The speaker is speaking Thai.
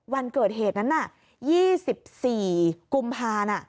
วันเกิดเหตุนั้น๒๔กุมภา